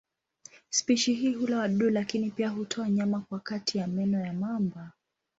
Spishi hii hula wadudu lakini pia hutoa nyama kwa kati ya meno ya mamba.